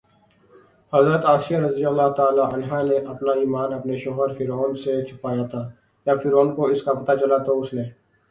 حضرت آسیہ رضی اللہ تعالٰی عنہا نے اپنا ایمان اپنے شوہر فرعون سے چھپایا تھا، جب فرعون کو اس کا پتہ چلا تو اس نے